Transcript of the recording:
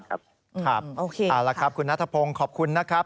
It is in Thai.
เอาละครับคุณนัทพงศ์ขอบคุณนะครับ